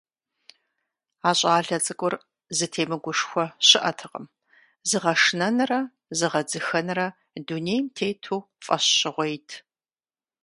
А щӀалэ цӀыкӀур зытемыгушхуэ щыӀэтэкъым, зыгъэшынэнрэ зыгъэдзыхэнрэ дунейм тету фӀэщщӀыгъуейт.